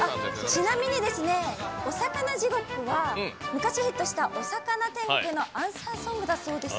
ちなみに「おさかな地獄」は昔ヒットした「おさかな天国」のアンサーソングだそうです。